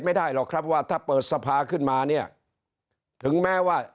ไม่ได้หรอกครับว่าถ้าเปิดสภาขึ้นมาเนี่ยถึงแม้ว่า